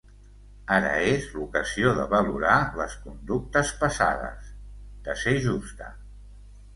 Ara és l'ocasió de valorar les conductes passades, de ser justa.